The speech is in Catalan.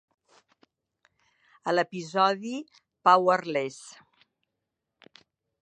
A l'episodi "Powerless!"